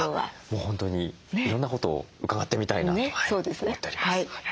もう本当にいろんなことを伺ってみたいなと思っております。